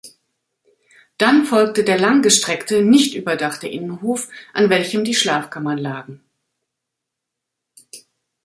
Dann folgte der langgestreckte, nicht überdachte Innenhof, an welchem die Schlafkammern lagen.